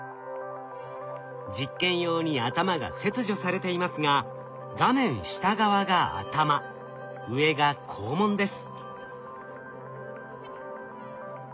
実験用に頭が切除されていますが画面下側が頭上が肛門です。